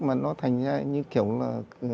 mà nó thành ra như kiểu là